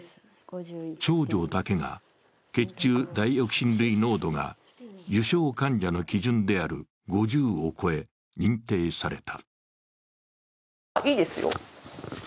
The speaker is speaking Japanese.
長女だけが血中ダイオキシン類濃度が油症患者の基準である５０を超え、認定された。